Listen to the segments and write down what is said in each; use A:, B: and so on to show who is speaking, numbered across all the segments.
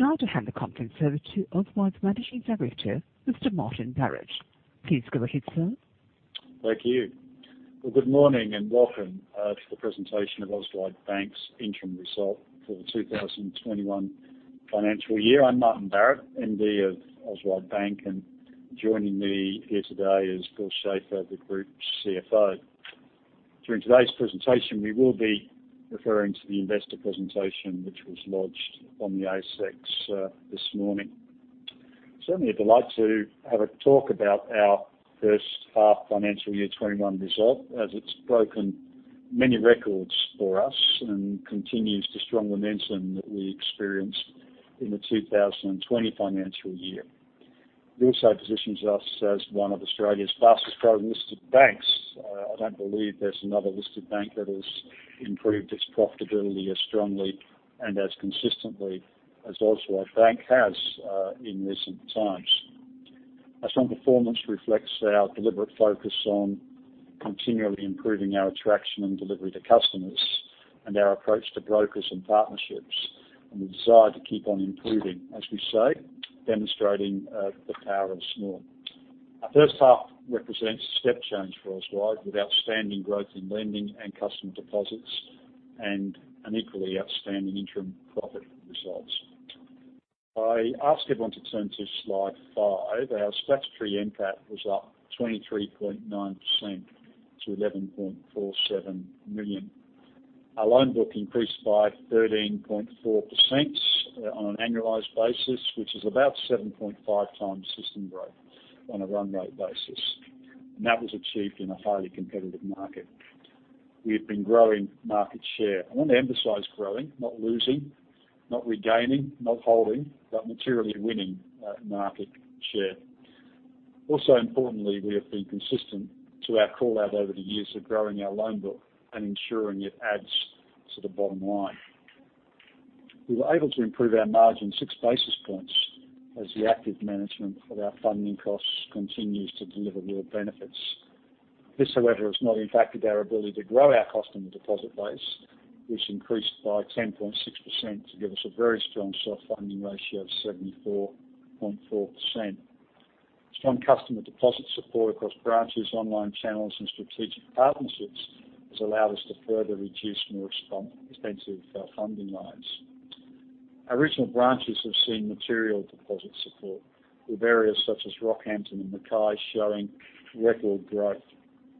A: Now to hand the conference over to Auswide's Managing Director, Mr. Martin Barrett. Please go ahead, sir.
B: Thank you. Well, good morning and welcome to the presentation of Auswide Bank's interim result for the 2021 financial year. I'm Martin Barrett, MD of Auswide Bank. Joining me here today is Bill Schafer, the group's CFO. During today's presentation, we will be referring to the investor presentation, which was lodged on the ASX this morning. Certainly a delight to have a talk about our first half financial year 2021 result, as it's broken many records for us and continues the strong momentum that we experienced in the 2020 financial year. It also positions us as one of Australia's fastest growing listed banks. I don't believe there's another listed bank that has improved its profitability as strongly and as consistently as Auswide Bank has in recent times. Our strong performance reflects our deliberate focus on continually improving our attraction and delivery to customers and our approach to brokers and partnerships, and the desire to keep on improving, as we say, demonstrating the power of small. Our first half represents a step change for Auswide, with outstanding growth in lending and customer deposits and an equally outstanding interim profit results. I ask everyone to turn to slide five. Our statutory NPAT was up 23.9% to 11.47 million. Our loan book increased by 13.4% on an annualized basis, which is about 7.5x system growth on a run rate basis. That was achieved in a highly competitive market. We have been growing market share. I want to emphasize growing, not losing, not regaining, not holding, but materially winning market share. Also importantly, we have been consistent to our call-out over the years of growing our loan book and ensuring it adds to the bottom line. We were able to improve our margin six basis points as the active management of our funding costs continues to deliver real benefits. This, however, has not impacted our ability to grow our customer deposit base, which increased by 10.6% to give us a very strong self-funding ratio of 74.4%. Strong customer deposit support across branches, online channels, and strategic partnerships has allowed us to further reduce more expensive funding loans. Our regional branches have seen material deposit support, with areas such as Rockhampton and Mackay showing record growth.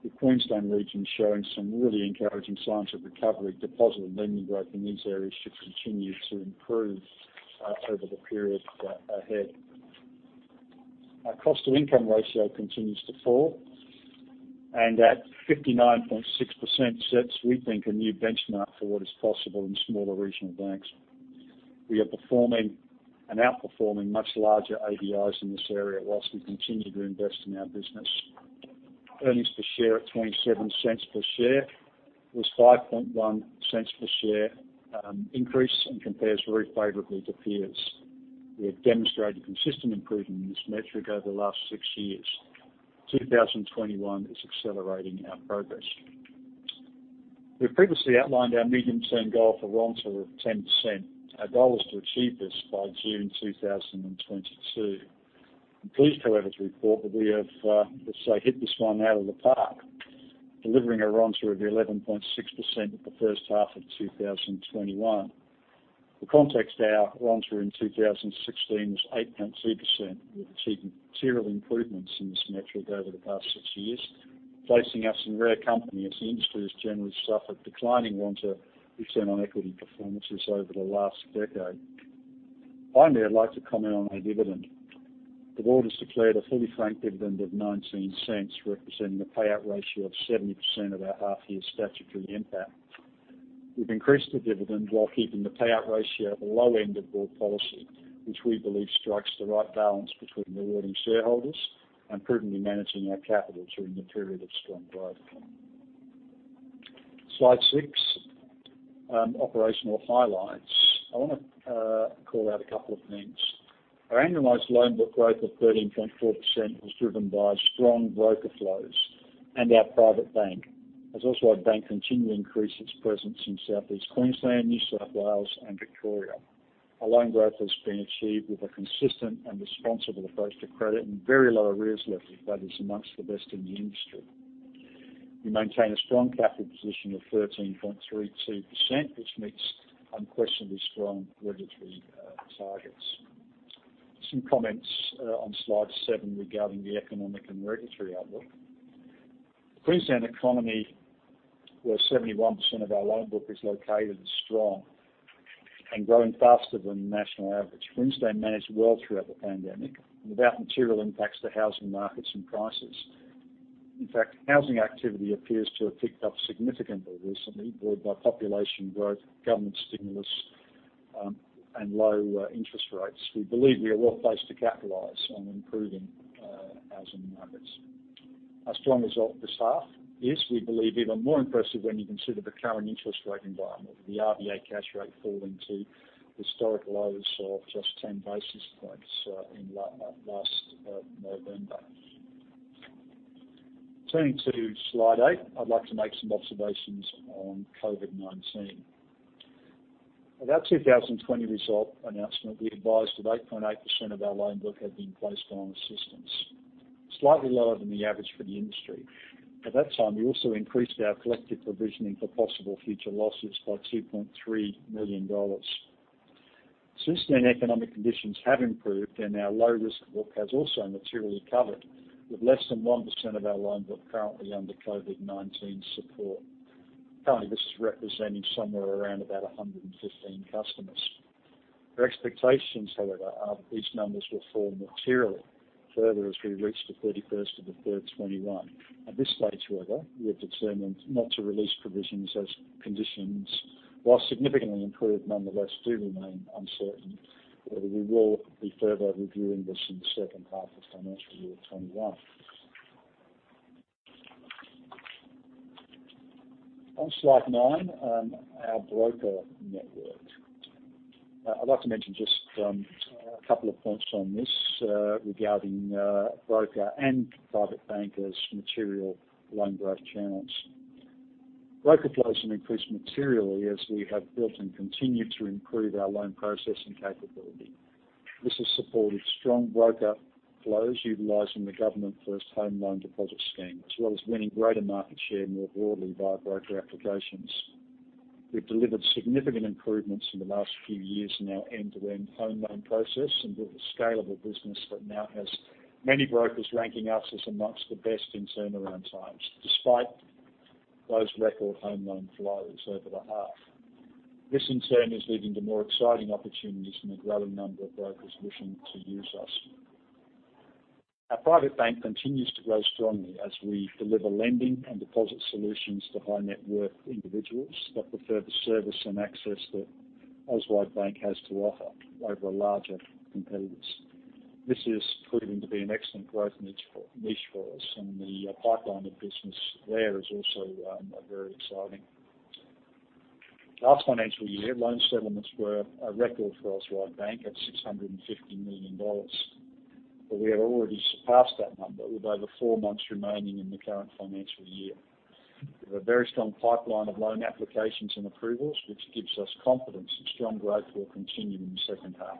B: The Queensland region showing some really encouraging signs of recovery. Deposit and lending growth in these areas should continue to improve over the period ahead. Our cost to income ratio continues to fall. At 59.6% sets, we think, a new benchmark for what is possible in smaller regional banks. We are performing and outperforming much larger ADIs in this area while we continue to invest in our business. Earnings per share at 0.27 per share was 0.051 per share increase. Compares very favorably to peers. We have demonstrated consistent improvement in this metric over the last six years. 2021 is accelerating our progress. We've previously outlined our medium-term goal for ROANTA of 10%. Our goal is to achieve this by June 2022. I'm pleased, however, to report that we have, let's say, hit this one out of the park, delivering a ROANTA of 11.6% at the first half of 2021. For context, our ROANTA in 2016 was 8.2%, with achieved material improvements in this metric over the past six years, placing us in rare company as the industry has generally suffered declining ROANTA return on equity performances over the last decade. I'd like to comment on our dividend. The board has declared a fully franked dividend of 0.19, representing a payout ratio of 70% of our half year statutory NPAT. We've increased the dividend while keeping the payout ratio at the low end of board policy, which we believe strikes the right balance between rewarding shareholders and prudently managing our capital during the period of strong growth. Slide six. Operational highlights. I want to call out a couple of things. Our annualized loan book growth of 13.4% was driven by strong broker flows and our Private Bank, as Auswide Bank continue to increase its presence in Southeast Queensland, New South Wales, and Victoria. Our loan growth has been achieved with a consistent and responsible approach to credit and very low arrears levels that is amongst the best in the industry. We maintain a strong capital position of 13.32%, which meets unquestionably strong regulatory targets. Some comments on slide seven regarding the economic and regulatory outlook. The Queensland economy, where 71% of our loan book is located, is strong and growing faster than the national average. Queensland managed well throughout the pandemic, without material impacts to housing markets and prices. In fact, housing activity appears to have picked up significantly recently, buoyed by population growth, government stimulus, and low interest rates. We believe we are well-placed to capitalize on improving housing markets. Our strong result for staff is, we believe, even more impressive when you consider the current interest rate environment, with the RBA cash rate falling to historic lows of just 10 basis points in last November. Turning to slide eight, I'd like to make some observations on COVID-19. At our 2020 result announcement, we advised that 8.8% of our loan book had been placed on assistance, slightly lower than the average for the industry. At that time, we also increased our collective provisioning for possible future losses by 2.3 million dollars. Since then, economic conditions have improved, and our low-risk book has also materially recovered, with less than 1% of our loan book currently under COVID-19 support. Currently, this is representing somewhere around about 115 customers. Our expectations, however, are that these numbers will fall materially further as we reach the 31/03/2021. At this stage, however, we are determined not to release provisions as conditions, while significantly improved, nonetheless do remain uncertain. We will be further reviewing this in the second half of financial year 2021. On slide nine, our broker network. I'd like to mention just a couple of points on this regarding broker and private bankers material loan growth channels. Broker flows have increased materially as we have built and continue to improve our loan processing capability. This has supported strong broker flows utilizing the government First Home Loan Deposit Scheme, as well as winning greater market share more broadly via broker applications. We've delivered significant improvements in the last few years in our end-to-end home loan process and built a scalable business that now has many brokers ranking us as amongst the best in turnaround times, despite those record home loan flows over the half. This, in turn, is leading to more exciting opportunities from a growing number of brokers wishing to use us. Our Private Bank continues to grow strongly as we deliver lending and deposit solutions to high net worth individuals that prefer the service and access that Auswide Bank has to offer over larger competitors. This is proving to be an excellent growth niche for us, and the pipeline of business there is also very exciting. Last financial year, loan settlements were a record for Auswide Bank at 650 million dollars, but we have already surpassed that number with over four months remaining in the current financial year. We have a very strong pipeline of loan applications and approvals, which gives us confidence that strong growth will continue in the second half.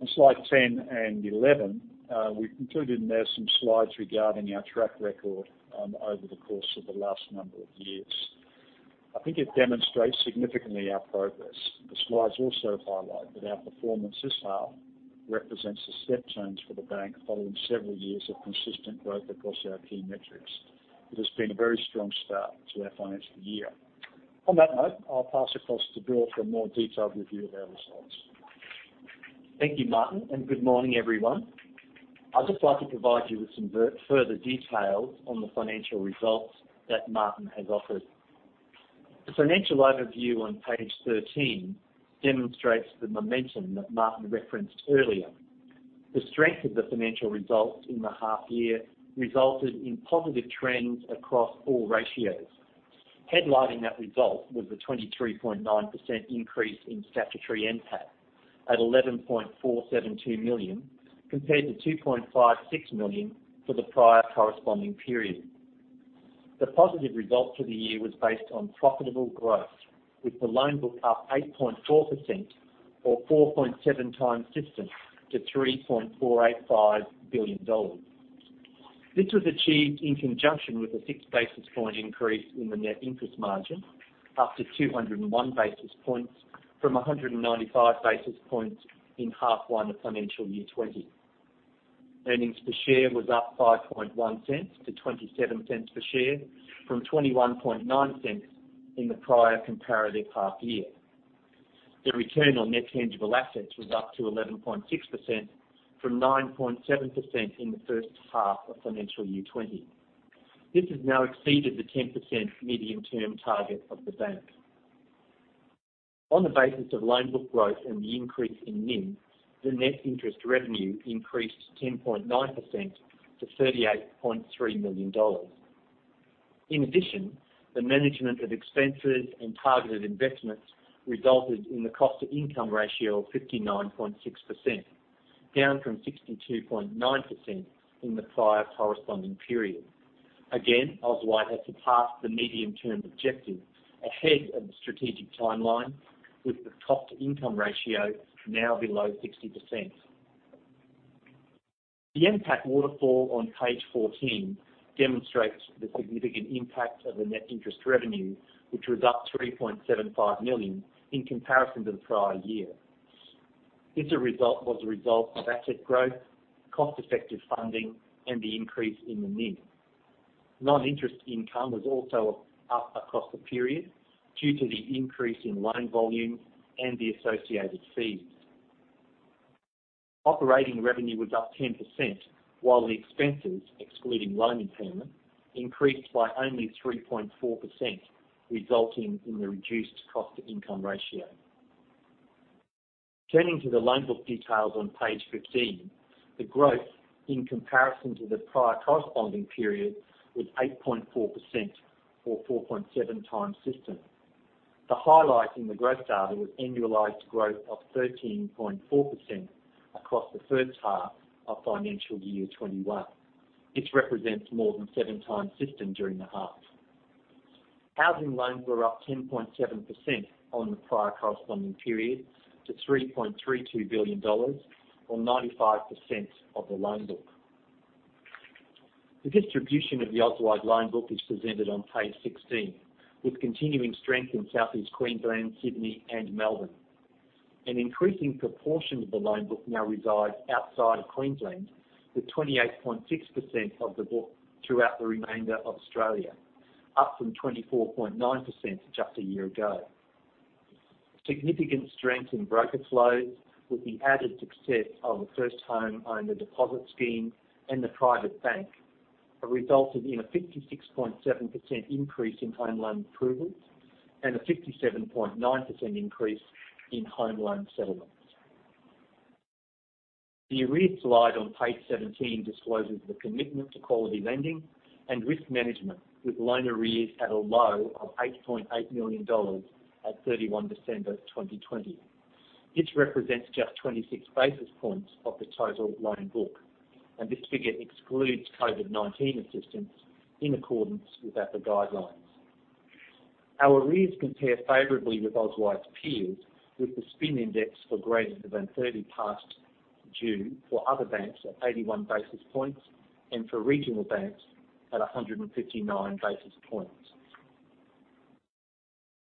B: On slide 10 and 11, we've included in there some slides regarding our track record over the course of the last number of years. I think it demonstrates significantly our progress. The slides also highlight that our performance this half represents a step change for the bank following several years of consistent growth across our key metrics. It has been a very strong start to our financial year. On that note, I'll pass across to Bill for a more detailed review of our results.
C: Thank you, Martin. Good morning, everyone. I'd just like to provide you with some further details on the financial results that Martin has offered. The financial overview on page 13 demonstrates the momentum that Martin referenced earlier. The strength of the financial result in the half year resulted in positive trends across all ratios. Headlining that result was a 23.9% increase in statutory NPAT at 11.472 million, compared to 2.56 million for the prior corresponding period. The positive result for the year was based on profitable growth, with the loan book up 8.4% or 4.7x system to 3.485 billion dollars. This was achieved in conjunction with a six basis point increase in the net interest margin, up to 201 basis points from 195 basis points in half one of financial year 2020. Earnings per share was up 0.051 to 0.27 per share from 0.219 in the prior comparative half year. The return on net tangible assets was up to 11.6% from 9.7% in the first half of financial year 2020. This has now exceeded the 10% medium-term target of the bank. On the basis of loan book growth and the increase in NIM, the net interest revenue increased 10.9% to 38.3 million dollars. In addition, the management of expenses and targeted investments resulted in the cost to income ratio of 59.6%, down from 62.9% in the prior corresponding period. Again, Auswide has surpassed the medium-term objective ahead of the strategic timeline with the cost to income ratio now below 60%. The NPAT waterfall on page 14 demonstrates the significant impact of the net interest revenue, which was up 3.75 million in comparison to the prior year. This result was a result of asset growth, cost effective funding, and the increase in the NIM. Non-interest income was also up across the period due to the increase in loan volume and the associated fees. Operating revenue was up 10%, while the expenses, excluding loan impairment, increased by only 3.4%, resulting in the reduced cost to income ratio. Turning to the loan book details on page 15, the growth in comparison to the prior corresponding period was 8.4% or 4.7x system. The highlight in the growth data was annualized growth of 13.4% across the first half of financial year 2021. This represents more than 7x system during the half. Housing loans were up 10.7% on the prior corresponding period to 3.32 billion dollars, or 95% of the loan book. The distribution of the Auswide loan book is presented on page 16, with continuing strength in Southeast Queensland, Sydney and Melbourne. An increasing proportion of the loan book now resides outside of Queensland, with 28.6% of the book throughout the remainder of Australia, up from 24.9% just a year ago. Significant strength in broker flows with the added success of the First Home Loan Deposit Scheme and the Private Bank, have resulted in a 56.7% increase in home loan approvals and a 57.9% increase in home loan settlements. The arrears slide on page 17 discloses the commitment to quality lending and risk management, with loan arrears at a low of 8.8 million dollars at 31 December 2020. This represents just 26 basis points of the total loan book, and this figure excludes COVID-19 assistance in accordance with APRA guidelines. Our arrears compare favorably with Auswide's peers, with the S&P index for greater than 30 past due for other banks at 81 basis points and for regional banks at 159 basis points.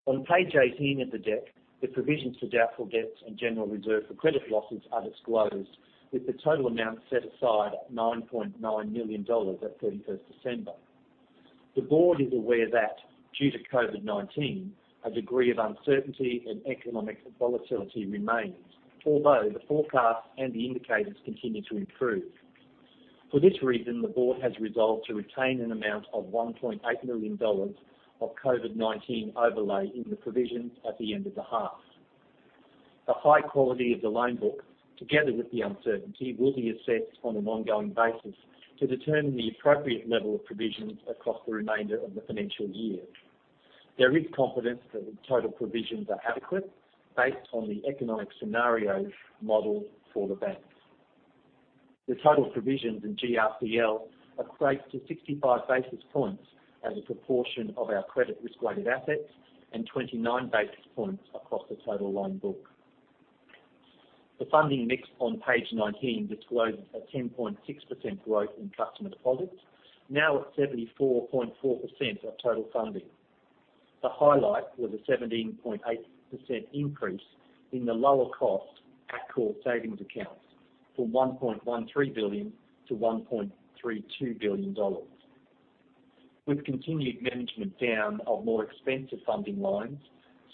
C: On page 18 of the deck, the provisions for doubtful debts and general reserve for credit losses are disclosed, with the total amount set aside, 9.9 million dollars at 31st December. The board is aware that due to COVID-19, a degree of uncertainty and economic volatility remains, although the forecast and the indicators continue to improve. For this reason, the board has resolved to retain an amount of 1.8 million dollars of COVID-19 overlay in the provisions at the end of the half. The high quality of the loan book, together with the uncertainty, will be assessed on an ongoing basis to determine the appropriate level of provisions across the remainder of the financial year. There is confidence that the total provisions are adequate, based on the economic scenarios model for the bank. The total provisions in GRCL equate to 65 basis points as a proportion of our credit risk-weighted assets and 29 basis points across the total loan book. The funding mix on page 19 discloses a 10.6% growth in customer deposits, now at 74.4% of total funding. The highlight was a 17.8% increase in the lower cost at call savings accounts from 1.13 billion to 1.32 billion dollars. With continued management down of more expensive funding lines,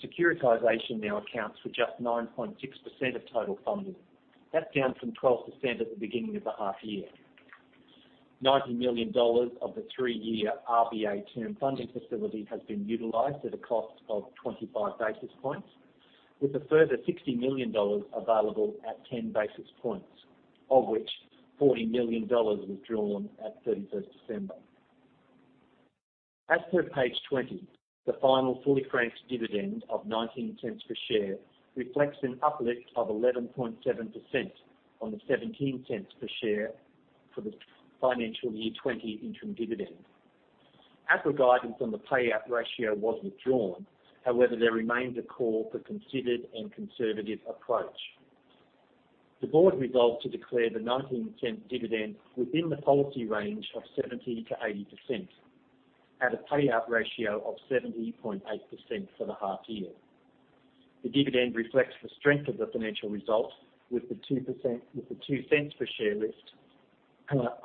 C: securitization now accounts for just 9.6% of total funding. That's down from 12% at the beginning of the half year. 90 million dollars of the three-year RBA Term Funding Facility has been utilized at a cost of 25 basis points, with a further 60 million dollars available at 10 basis points, of which 40 million dollars was drawn at 31st December. As per page 20, the final fully franked dividend of 0.19 per share reflects an uplift of 11.7% on the 0.17 per share for the financial year 2020 interim dividend. APRA guidance on the payout ratio was withdrawn. However, there remains a call for considered and conservative approach. The board resolved to declare the 0.19 dividend within the policy range of 70%-80%, at a payout ratio of 70.8% for the half year. The dividend reflects the strength of the financial result with the 0.02 per share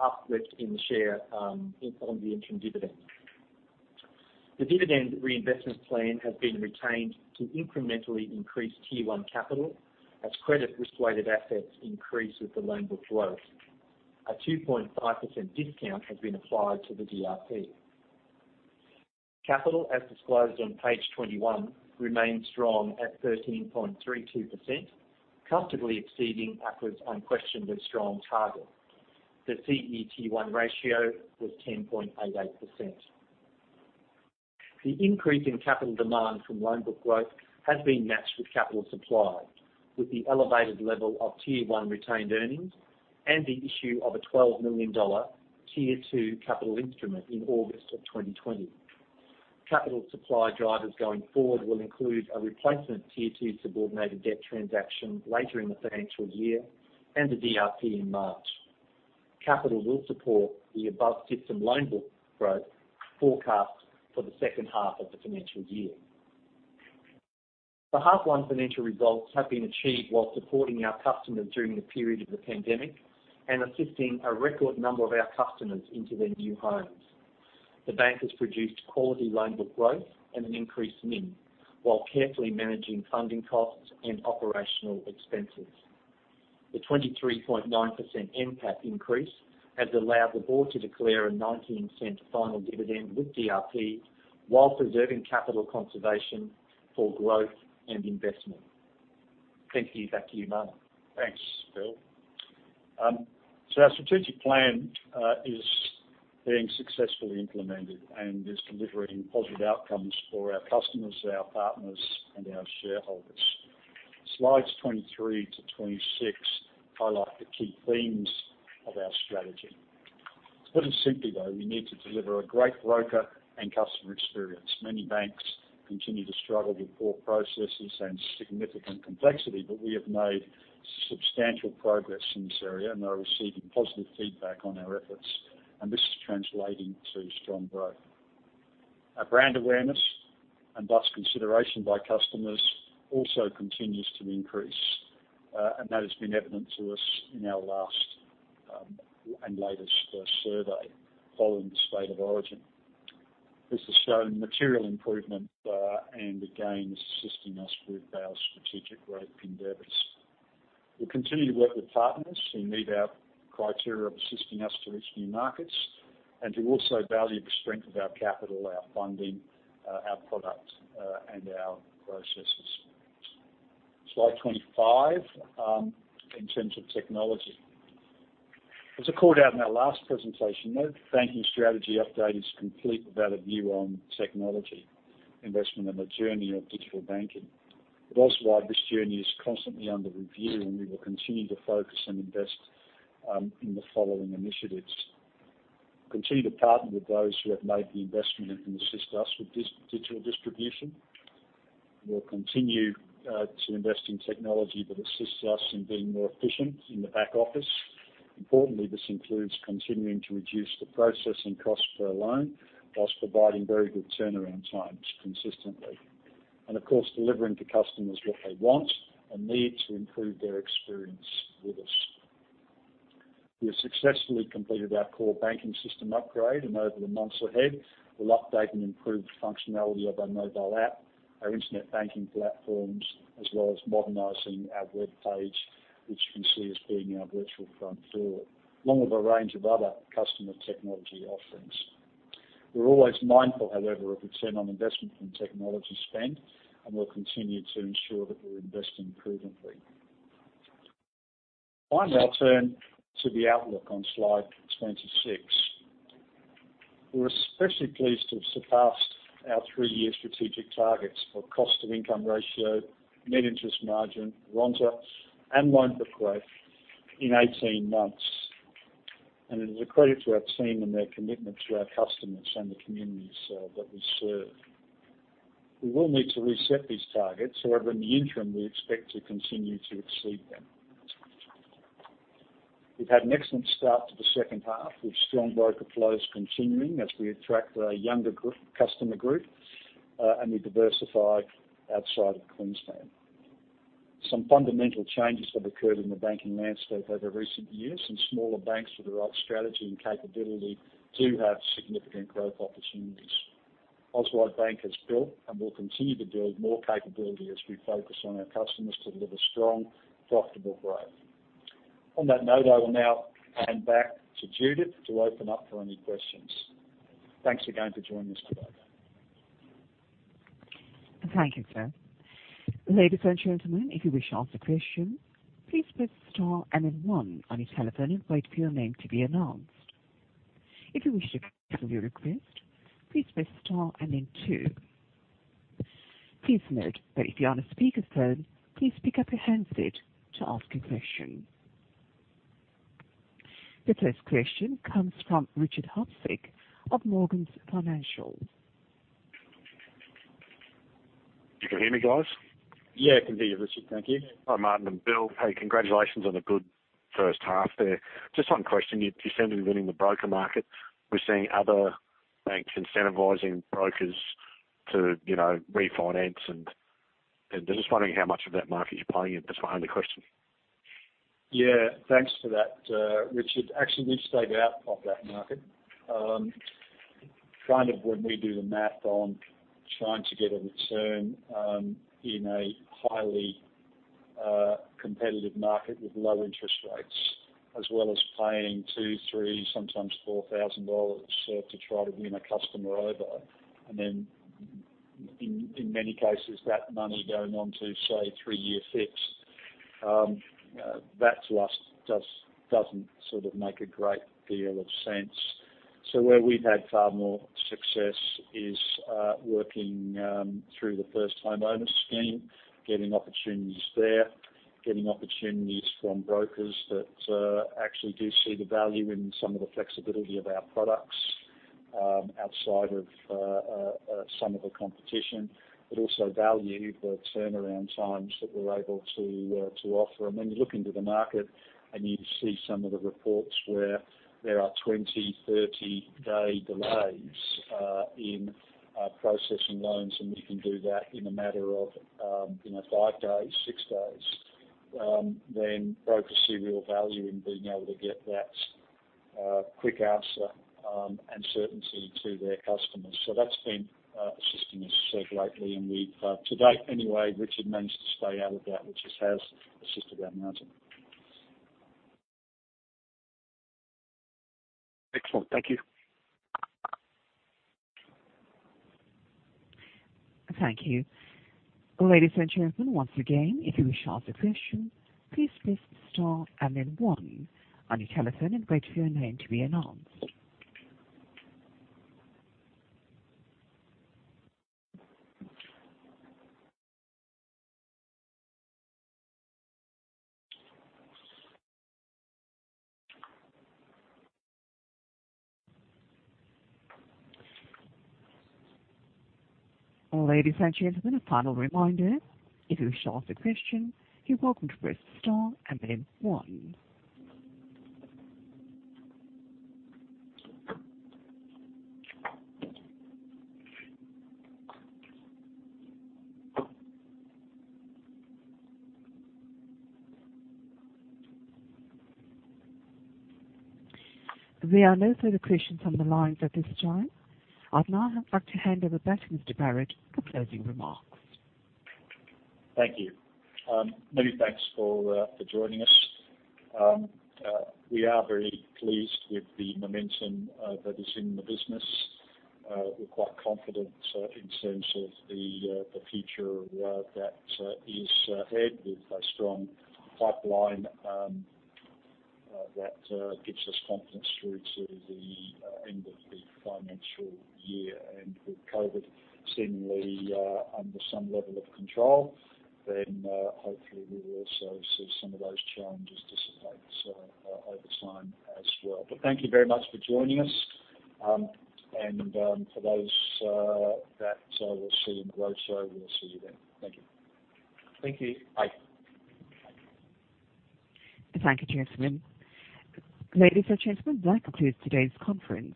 C: uplift in the share on the interim dividend. The dividend reinvestment plan has been retained to incrementally increase Tier 1 capital as credit risk-weighted assets increase with the loan book growth. A 2.5% discount has been applied to the DRP. Capital, as disclosed on page 21, remains strong at 13.32%, comfortably exceeding APRA's unquestioned but strong target. The CET1 ratio was 10.88%. The increase in capital demand from loan book growth has been matched with capital supply, with the elevated level of Tier 1 retained earnings and the issue of a 12 million dollar Tier 2 capital instrument in August of 2020. Capital supply drivers going forward will include a replacement Tier 2 subordinated debt transaction later in the financial year and a DRP in March. Capital will support the above system loan book growth forecast for the second half of the financial year. The half one financial results have been achieved while supporting our customers during the period of the pandemic and assisting a record number of our customers into their new homes. The bank has produced quality loan book growth and an increased NIM while carefully managing funding costs and operational expenses. The 23.9% NPAT increase has allowed the board to declare a 0.19 final dividend with DRP while preserving capital conservation for growth and investment. Thank you. Back to you, Martin.
B: Thanks, Bill. Our strategic plan is being successfully implemented and is delivering positive outcomes for our customers, our partners, and our shareholders. Slides 23 to 26 highlight the key themes of our strategy. To put it simply, though, we need to deliver a great broker and customer experience. Many banks continue to struggle with poor processes and significant complexity, but we have made substantial progress in this area and are receiving positive feedback on our efforts. This is translating to strong growth. Our brand awareness, and thus consideration by customers, also continues to increase. That has been evident to us in our last and latest survey following the State of Origin. This has shown material improvement and, again, is assisting us with our strategic growth endeavors. We'll continue to work with partners who meet our criteria of assisting us to reach new markets and who also value the strength of our capital, our funding, our product, and our processes. Slide 25, in terms of technology. As I called out in our last presentation, no banking strategy update is complete without a view on technology investment and the journey of digital banking. Also why this journey is constantly under review, and we will continue to focus and invest in the following initiatives: Continue to partner with those who have made the investment and can assist us with digital distribution. We'll continue to invest in technology that assists us in being more efficient in the back office. Importantly, this includes continuing to reduce the processing cost per loan whilst providing very good turnaround times consistently. Of course, delivering to customers what they want and need to improve their experience with us. We have successfully completed our core banking system upgrade, and over the months ahead, we'll update and improve the functionality of our mobile app, our internet banking platforms, as well as modernizing our web page, which you can see as being our virtual front door, along with a range of other customer technology offerings. We're always mindful, however, of return on investment and technology spend, and we'll continue to ensure that we're investing prudently. Finally, I'll turn to the outlook on slide 26. We're especially pleased to have surpassed our three-year strategic targets for cost-to-income ratio, net interest margin, ROA, and loan book growth in 18 months. It is a credit to our team and their commitment to our customers and the communities that we serve. We will need to reset these targets. However, in the interim, we expect to continue to exceed them. We've had an excellent start to the second half, with strong broker flows continuing as we attract a younger customer group. We diversify outside of Queensland. Some fundamental changes have occurred in the banking landscape over recent years. Smaller banks with the right strategy and capability do have significant growth opportunities. Auswide Bank has built and will continue to build more capability as we focus on our customers to deliver strong, profitable growth. On that note, I will now hand back to Judith to open up for any questions. Thanks again for joining us today.
A: Thank you, sir. Ladies and gentlemen, if you wish to ask a question, please press star and then one on your telephone and wait for your name to be announced. If you wish to cancel your request, please press star and then two. Please note that if you're on a speakerphone, please pick up your handset to ask a question. The first question comes from Richard Hutsick of Morgans Financial.
D: You can hear me, guys?
B: Yeah, I can hear you, Richard. Thank you.
D: Hi, Martin and Bill. Hey, congratulations on a good first half there. Just one question. You seem to be winning the broker market. We're seeing other banks incentivizing brokers to refinance, and I'm just wondering how much of that market you're playing in. That's my only question.
B: Yeah. Thanks for that, Richard. Actually, we've stayed out of that market. Kind of when we do the math on trying to get a return in a highly competitive market with low interest rates, as well as paying 2,000, 3,000, sometimes 4,000 dollars to try to win a customer over, and then in many cases, that money going on to, say, three-year fixed, that to us doesn't sort of make a great deal of sense. Where we've had far more success is working through the First Homeowner Scheme, getting opportunities there, getting opportunities from brokers that actually do see the value in some of the flexibility of our products outside of some of the competition, but also value the turnaround times that we're able to offer. When you look into the market and you see some of the reports where there are 20, 30-day delays in processing loans, we can do that in a matter of five days, six days, then brokers see real value in being able to get that quick answer and certainty to their customers. That's been assisting us greatly. We've, to date anyway, Richard, managed to stay out of that, which has assisted our margin. Excellent. Thank you.
A: Thank you. Ladies and gentlemen, once again, if you wish to ask a question, please press star and then one on your telephone and wait for your name to be announced. Ladies and gentlemen, a final reminder, if you wish to ask a question, you're welcome to press star and then one. There are no further questions on the lines at this time. I'd now like to hand over back to Mr Barrett for closing remarks.
B: Thank you. Many thanks for joining us. We are very pleased with the momentum that is in the business. We're quite confident in terms of the future that is ahead with a strong pipeline that gives us confidence through to the end of the financial year. With COVID seemingly under some level of control, hopefully we will also see some of those challenges dissipate over time as well. Thank you very much for joining us and for those that we'll see in the roadshow, we'll see you then. Thank you.
C: Thank you. Bye.
A: Thank you, gentlemen. Ladies and gentlemen, that concludes today's conference.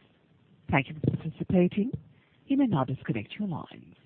A: Thank you for participating. You may now disconnect your lines.